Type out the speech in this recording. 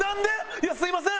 いやすみません！